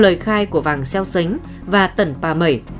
lời khai của vàng xeo xánh và tần pà mẩy